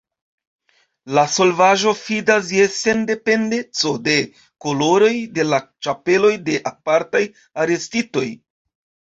La solvaĵo fidas je sendependeco de koloroj de la ĉapeloj de apartaj arestitoj.